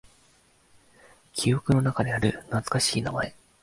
記憶の中にある懐かしい名前。